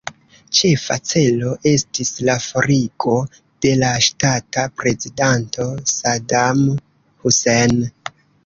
Ĉefa celo estis la forigo de la ŝtata prezidanto Saddam Hussein.